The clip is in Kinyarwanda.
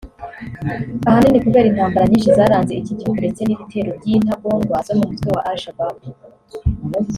ahanini kubera intambara nyinshi zaranze iki gihugu ndetse n’ibitero by’intagondwa zo mu mutwe wa Al Shabab